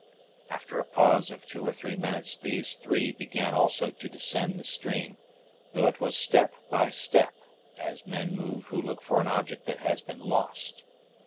After a pause of two or three minutes, these three began also to descend the stream, though it was step by step, as men move who look for an object that has been lost.